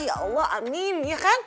ya allah amin